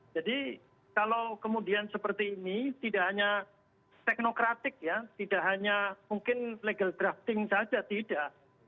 jadi kalau kemudian seperti ini tidak hanya teknokratik ya tidak hanya mungkin legal drafting saja tidak